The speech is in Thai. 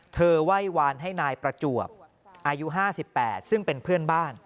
ไหว้วานให้นายประจวบอายุ๕๘ซึ่งเป็นเพื่อนบ้าน